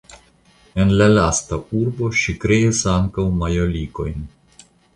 En la lasta urbo ŝi kreis ankaŭ majolikojn.